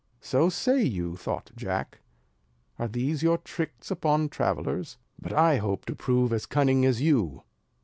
"Say you so?" thought Jack; "are these your tricks upon travellers? But I hope to prove as cunning as you."